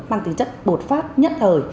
mang tính chất bột phát nhất thời